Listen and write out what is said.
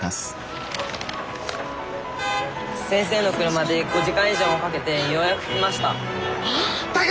先生の車で５時間以上もかけてようやく来ました。